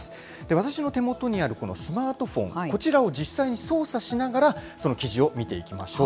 私の手元にあるこのスマートフォン、こちらを実際に操作しながら、その記事を見ていきましょう。